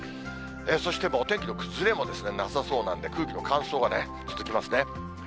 そして、もうお天気の崩れもなさそうなんで、空気の乾燥が続きますね。